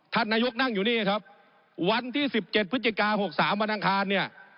ท่านนายกนั่งอยู่นี่นะครับวันที่สิบเจ็ดพฤศจิกาหกสามวันอังคารเนี่ย